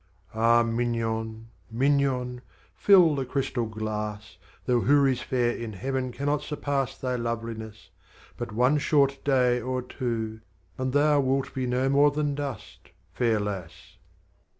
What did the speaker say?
VIII. Ah Mignon, Mignon, fill the Crystal Glass, Though Houris fair in Heaven cannot surpass Thy Lovliness, — but one short day or two, — And Thou wilt be no more than Dust, fair lass!